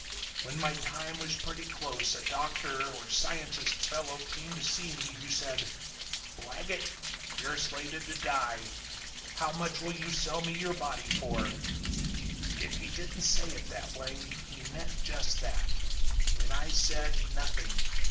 When my time was pretty close a doctor or scientist fellow came to see me who said, 'Blaggett, you're slated to die. How much will you sell me your body for?' If he didn't say it that way he meant just that. And I said, 'Nothing.